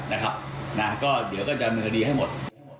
เดี๋ยวก็จะเนื้อดีให้หมด